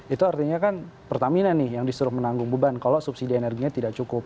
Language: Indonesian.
itu artinya kan pertamina nih yang disuruh menanggung beban kalau subsidi energinya tidak cukup